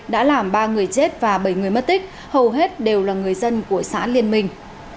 đã làm ba người chết và bảy người mất tích hầu hết đều là người dân của xã liên minh